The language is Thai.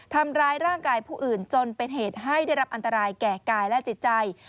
ทำร้ายร่างกายผู้อื่นจนเป็นเหตุให้ได้รับอันตรายแก่กายและจิตใจ